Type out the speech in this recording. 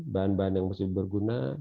bahan bahan yang masih berguna